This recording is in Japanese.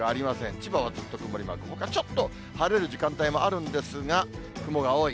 千葉はずっと曇りマーク、ほか、ちょっと晴れる時間帯もあるんですが、雲が多い。